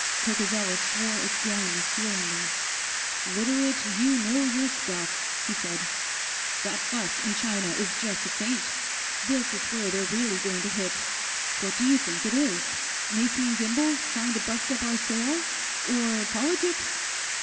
Coccozello swore again, feelingly. "Literate, you know your stuff!" he said. "That fuss in China is just a feint; this is where they're really going to hit. What do you think it is? Macy & Gimbel's trying to bust up our sale, or politics?"